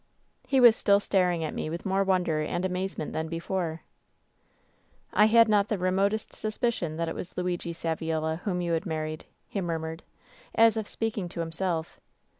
"He was still staring at me with more wonder and amazement than before. " *I had not the remotest suspicion that it was Luigi Saviola whom you had married,' he murmured, as if speaking to himself.